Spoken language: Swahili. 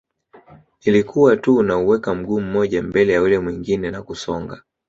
Nilikuwa tu nauweka mguu mmoja mbele ya ule mwingine na kusonga